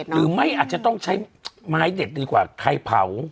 หรือไม่อาจจะต้องใช้ไม้เด็ดดีกว่าใครเผา